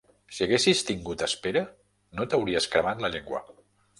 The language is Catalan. Si haguessis tingut espera, no t'hauries cremat la llengua.